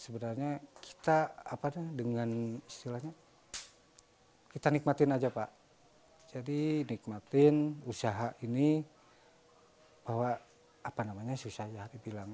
menurut firwan usaha ini susah